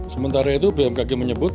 sementara itu bmkg menyebut